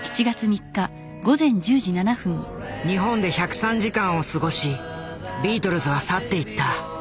日本で１０３時間を過ごしビートルズは去っていった。